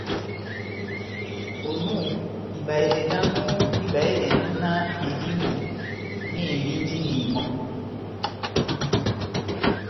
Onu, ibahedɛ dámu díbahedɛnɔ náh medímo mehembindini mɔ́,